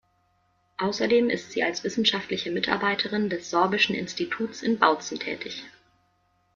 Außerdem ist sie als wissenschaftliche Mitarbeiterin des Sorbischen Instituts in Bautzen tätig.